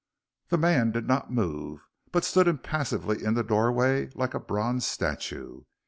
The man did not move, but stood impassively in the doorway like a bronze statue.